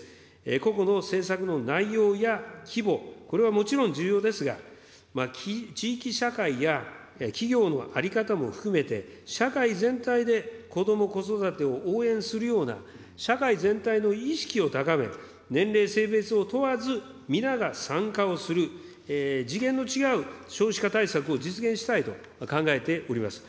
個々の政策の内容や規模、これはもちろん重要ですが、地域社会や、企業の在り方も含めて、社会全体でこども・子育てを応援するような、社会全体の意識を高め、年齢、性別を問わず、皆が参加をする、次元の違う少子化対策を実現したいと考えております。